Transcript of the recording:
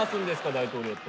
大統領と。